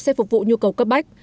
xe phục vụ nhu cầu cấp bách